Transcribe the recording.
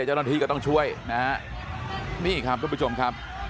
เจ้าหน้าที่ก็ต้องช่วยนะฮะนี่ครับทุกผู้ชมครับ